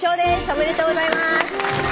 おめでとうございます。